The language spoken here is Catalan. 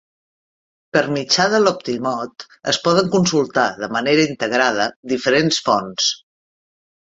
Per mitjà de l'Optimot es poden consultar de manera integrada diferents fonts.